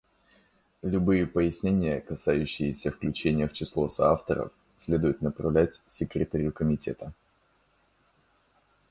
Любые пояснения, касающиеся включения в число соавторов, следует направлять Секретарю Комитета.